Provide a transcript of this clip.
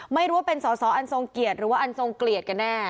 ไม่รู้ว่าเป็นสอสออันทรงเกียรติหรือว่าอันทรงเกลียดกันแน่